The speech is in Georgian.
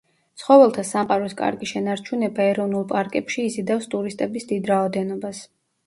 ცხოველთა სამყაროს კარგი შენარჩუნება ეროვნულ პარკებში იზიდავს ტურისტების დიდ რაოდენობას.